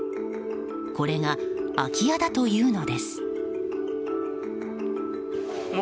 これが空き家だというのです。